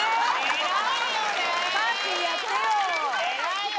偉いよね。